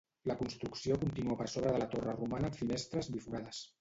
La construcció continua per sobre de la torre romana amb finestres biforades.